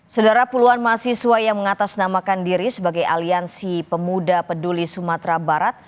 saudara puluhan mahasiswa yang mengatasnamakan diri sebagai aliansi pemuda peduli sumatera barat